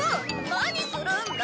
何するんだ！